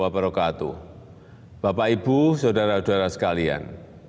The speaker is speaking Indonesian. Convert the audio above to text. terima kasih bapak ibu saudara saudara sekalian